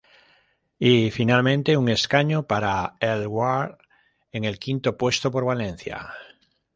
Y finalmente un escaño para Els Verds en el quinto puesto por Valencia.